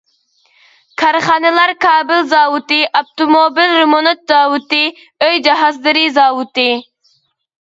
كارخانىلار كابېل زاۋۇتى، ئاپتوموبىل رېمونت زاۋۇتى، ئۆي جاھازلىرى زاۋۇتى.